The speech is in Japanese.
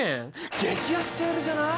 激安セールじゃない！？